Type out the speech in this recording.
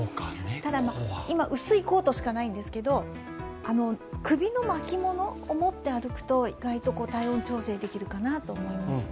ただ今薄いコートしかないんですけれども、首の巻きものを持って歩くと意外と体温調整できるなと思います。